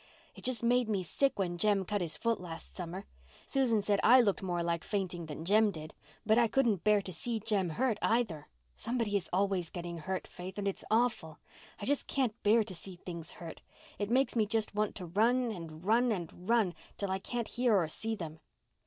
"It just made me sick when Jem cut his foot last summer. Susan said I looked more like fainting than Jem did. But I couldn't bear to see Jem hurt, either. Somebody is always getting hurt, Faith—and it's awful. I just can't bear to see things hurt. It makes me just want to run—and run—and run—till I can't hear or see them."